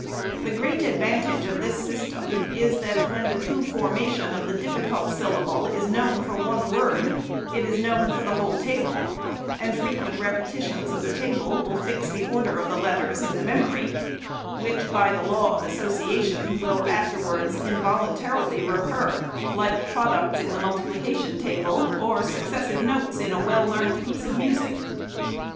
The great advantage of this system is, that when the true formation of the diffi cult syllable is known for one word, it is known for the whole table, and frequent repetitions of the table will fix the order of the letters in the memory, which, by the law of association, will afterwards involuntarily recur, like products in the multiplication table, or successive notes in a well learned piece of music.